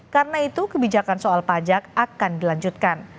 karena itu kebijakan soal pajak akan dilanjutkan